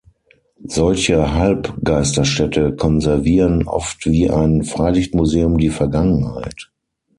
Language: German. Solche Halb-Geisterstädte konservieren oft wie ein Freilichtmuseum die Vergangenheit.